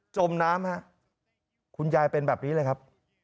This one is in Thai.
จมน้ำฮะคุณยายเป็นแบบนี้เลยครับ